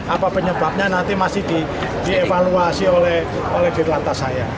apa penyebabnya nanti masih dievaluasi oleh dir lantas saya